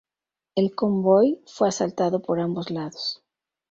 El convoy fue asaltado por ambos lados.